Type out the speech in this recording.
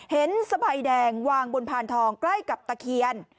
เห็นสะใบแดงวางบนพานทองใกล้กับตะเคียน